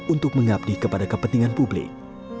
untuk mengabdi kepada kepentingan publik